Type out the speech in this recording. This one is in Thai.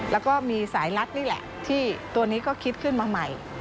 แล้วก็มีสายรัดนี่แหละที่ตัวนี้ก็คิดขึ้นมาใหม่